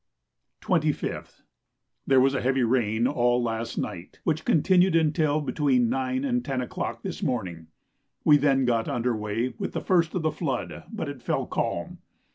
25th. There was heavy rain all last night, which continued until between 9 and 10 o'clock this morning. We then got under weigh with the first of the flood, but it fell calm.